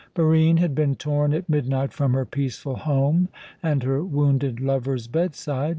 Barine had been torn at midnight from her peaceful home and her wounded lover's bedside.